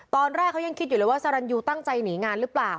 ตอนแรกเขายังคิดอยู่เลยว่าสรรยูตั้งใจหนีงานหรือเปล่า